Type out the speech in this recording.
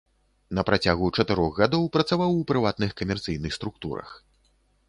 На працягу чатырох гадоў працаваў у прыватных камерцыйных структурах.